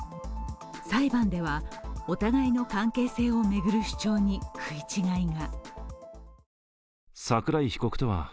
裁判ではお互いの関係性を巡る主張に食い違いが。